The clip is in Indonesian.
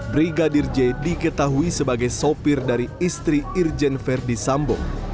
brigadir j diketahui sebagai sopir dari istri irjen verdi sambo